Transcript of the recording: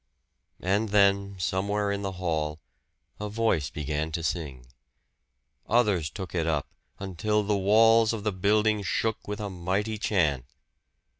And then, somewhere in the hall, a voice began to sing. Others took it up, until the walls of the building shook with a mighty chant.